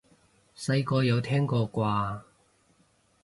細個有聽過啩？